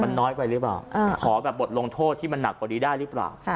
มันน้อยไปหรือเปล่าขอแบบบทลงโทษที่มันหนักกว่านี้ได้หรือเปล่า